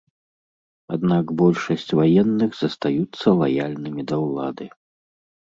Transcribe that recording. Аднак большасць ваенных застаюцца лаяльнымі да ўлады.